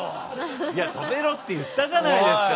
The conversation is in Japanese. いや止めろって言ったじゃないですか